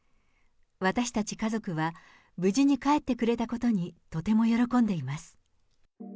私たち家族は、無事に帰ってくれたことにとても喜んでいます。